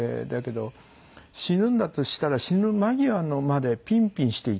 だけど死ぬんだとしたら死ぬ間際までピンピンしていたい。